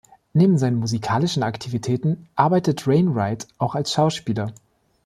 Neben seinen musikalischen Aktivitäten arbeitet Wainwright auch als Schauspieler.